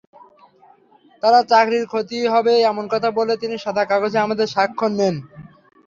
তাঁর চাকরির ক্ষতি হবে—এমন কথা বলে তিনি সাদা কাগজে আমাদের স্বাক্ষর নেন।